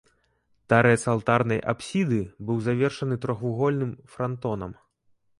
Тарэц алтарнай апсіды быў завершаны трохвугольным франтонам.